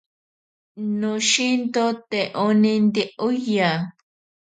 Noshinto te oninte oya.